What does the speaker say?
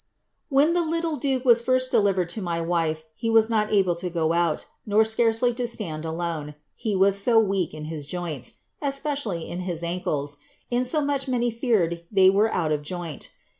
When the little duke was first delivered ' wife, he was not able to go, nor scarcely to stand alone, he was iak in his joints, especially in his ankles, insomuch many feared were out of ioint.